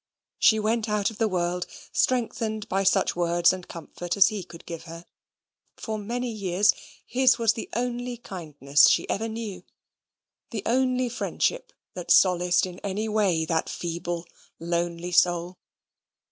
She went out of the world strengthened by such words and comfort as he could give her. For many years his was the only kindness she ever knew; the only friendship that solaced in any way that feeble, lonely soul.